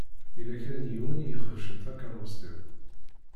Yella kra n yiwen i ixebcen takeṛṛust-iw.